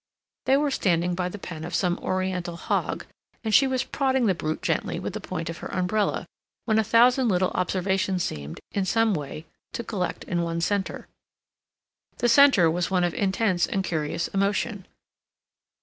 They were standing by the pen of some Oriental hog, and she was prodding the brute gently with the point of her umbrella, when a thousand little observations seemed, in some way, to collect in one center. The center was one of intense and curious emotion.